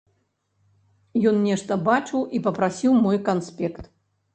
Ён нешта бачыў і папрасіў мой канспект.